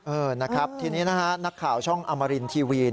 เออนะครับทีนี้นะฮะนักข่าวช่องอมรินทีวี